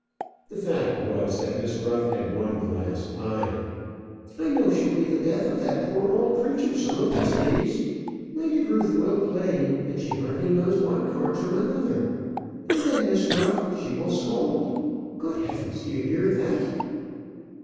The fact was, that Miss Ruff had one glass eye. "I know she'll be the death of that poor old creature some of these days. Lady Ruth will play, and she hardly knows one card from another. And then Miss Ruff, she will scold. Good heavens! do you hear that?"